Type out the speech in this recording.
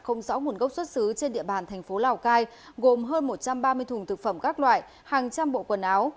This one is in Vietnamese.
không rõ nguồn gốc xuất xứ trên địa bàn thành phố lào cai gồm hơn một trăm ba mươi thùng thực phẩm các loại hàng trăm bộ quần áo